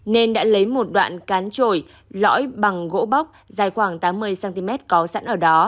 nên đã lấy một đoạn cán trồi lõi bằng gỗ bóc dài khoảng tám mươi cm có sẵn ở đó